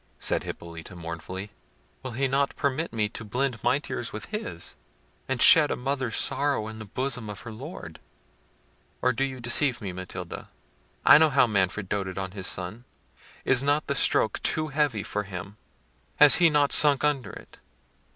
said Hippolita mournfully; "will he not permit me to blend my tears with his, and shed a mother's sorrows in the bosom of her Lord? Or do you deceive me, Matilda? I know how Manfred doted on his son: is not the stroke too heavy for him? has he not sunk under it?